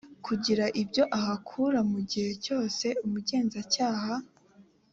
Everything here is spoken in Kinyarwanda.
kugira ibyo ahakura mu gihe cyose umugenzacyaha